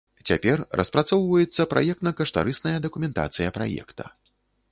Цяпер распрацоўваецца праектна-каштарысная дакументацыя праекта.